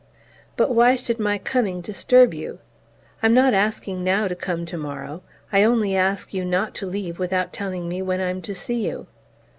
"But why should my coming disturb you? I'm not asking now to come tomorrow. I only ask you not to leave without telling me when I'm to see you."